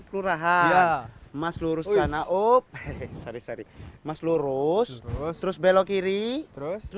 selamat tinggal pak ion